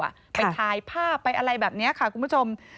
ไปถ่ายภาพไปอะไรแบบนี้ค่ะคุณผู้ชม